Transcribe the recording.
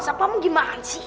sapa kamu gimana sih